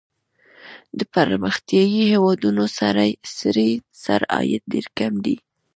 د پرمختیايي هېوادونو سړي سر عاید ډېر کم دی.